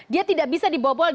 dia tidak bisa dibawa bawa